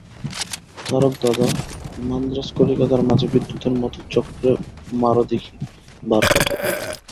তারকদাদা, মান্দ্রাজ কলিকাতার মাঝে বিদ্যুতের মত চক্র মারো দিকি, বার কতক।